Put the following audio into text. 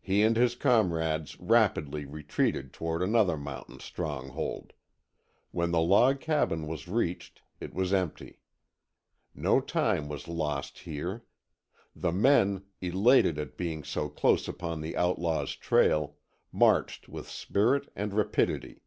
He and his comrades rapidly retreated toward another mountain stronghold. When the log cabin was reached it was empty. No time was lost here. The men, elated at being so close upon the outlaws' trail, marched with spirit and rapidity.